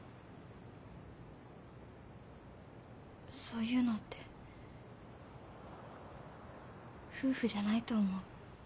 そういうのって夫婦じゃないと思う。